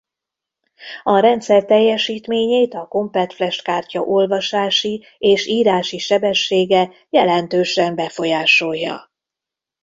A rendszer teljesítményét a CompactFlash-kártya olvasási és írási sebessége jelentősen befolyásolja.